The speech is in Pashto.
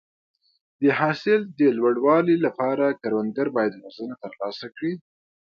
د حاصل د لوړوالي لپاره کروندګر باید روزنه ترلاسه کړي.